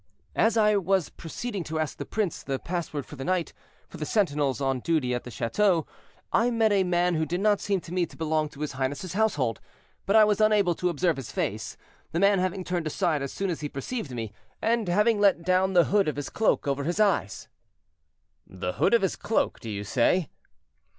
"As I was proceeding to ask the prince the password for the night, for the sentinels on duty at the chateau, I met a man who did not seem to me to belong to his highness's household, but I was unable to observe his face, the man having turned aside as soon as he perceived me, and having let down the hood of his cloak over his eyes." "The hood of his cloak, do you say?"